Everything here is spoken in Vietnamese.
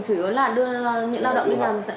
thứ nhất là đưa người lao động đi làm